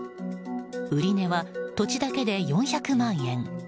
売値は土地だけで４００万円。